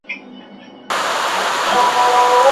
د ښار خلکو ته دا لویه تماشه سوه